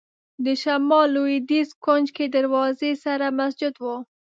د شمال لوېدیځ کونج کې دروازې سره مسجد و.